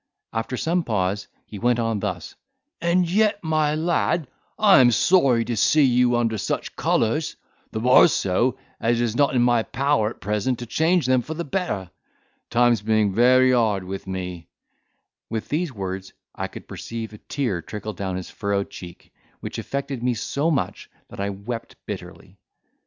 After some pause, he went on thus; "And yet, my lad, I am sorry to see you under such colours; the more so, as it is not in my power, at present, to change them for the better, times being very hard with me," With these words I could perceive a tear trickle down his furrowed cheek, which affected me so much that I wept bitterly.